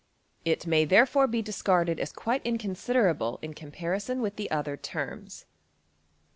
It may therefore be discarded as quite inconsiderable in comparison with the other terms.